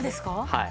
はい。